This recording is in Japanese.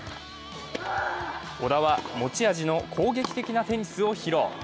小田は持ち味の攻撃的なテニスを披露。